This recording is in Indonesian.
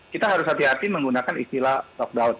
kita harus hati hati menggunakan istilah lockdown